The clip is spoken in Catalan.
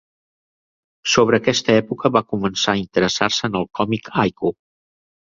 Sobre aquesta època va començar a interessar-se en el còmic haiku.